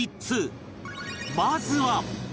まずは